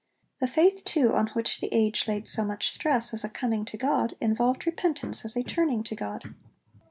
The faith, too, on which the age laid so much stress as a 'coming' to God, involved repentance as a 'turning' to God.